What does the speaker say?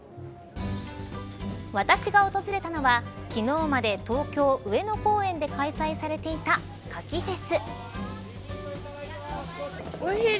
私が訪れたのは昨日まで東京上野公園で開催されていた牡蠣フェス。